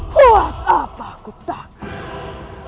kuat apa aku takut